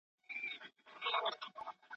ډیپلوماټیکې خبري باید د ولس د ګټو په چوکاټ کي وي.